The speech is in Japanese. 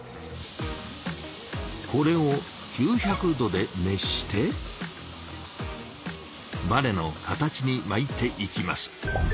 これを９００℃で熱してバネの形に巻いていきます。